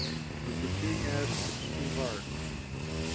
What the king asks is too hard.